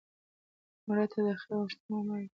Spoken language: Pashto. مړه ته د خیر غوښتنه عمل دی